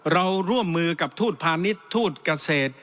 เราร่วมมือกับทูตพาณิชย์ทูตเกษตร